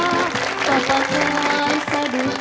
ลาลาลาลาลาบุญแห่งเบอร์สาเบ้ยแท้เบอร์สา